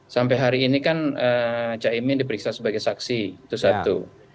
sampai hari ini kan caimin diperiksa sebagai saksi itu satu